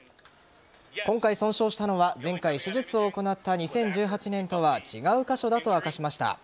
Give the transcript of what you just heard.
今回損傷したのは前回手術を行った２０１８年とは違う箇所だと明かしました。